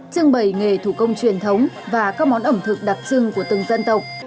trưng bày nghề thủ công truyền thống và các món ẩm thực đặc trưng của từng dân tộc